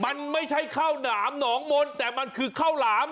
มันไม่ใช่ข้าวหนามหนองมนต์แต่มันคือข้าวหลาม